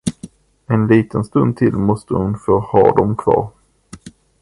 En liten stund till måste hon få ha dem kvar.